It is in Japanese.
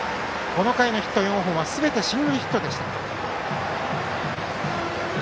この回のヒット４本はすべてシングルヒットでした。